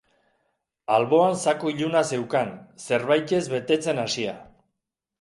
Alboan zaku iluna zeukan, zerbaitez betetzen hasia.